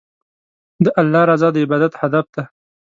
د الله رضا د عبادت هدف دی.